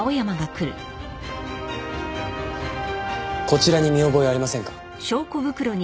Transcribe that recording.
こちらに見覚えありませんか？